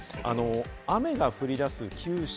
雨が降り出す、九州、